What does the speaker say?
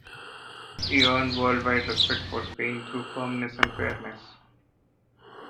He earned worldwide respect for Spain through firmness and fairness.